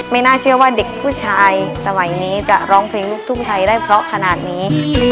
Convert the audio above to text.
น่าเชื่อว่าเด็กผู้ชายสมัยนี้จะร้องเพลงลูกทุ่งไทยได้เพราะขนาดนี้